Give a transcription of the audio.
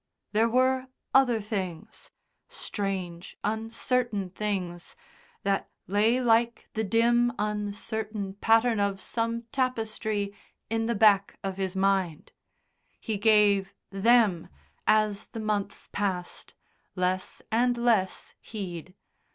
There were other things strange, uncertain things that lay like the dim, uncertain pattern of some tapestry in the back of his mind. He gave them, as the months passed, less and less heed.